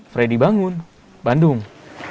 freddy bangun bandung